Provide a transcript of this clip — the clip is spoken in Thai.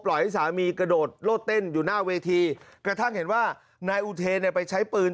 ให้สามีกระโดดโลดเต้นอยู่หน้าเวทีกระทั่งเห็นว่านายอุเทนเนี่ยไปใช้ปืน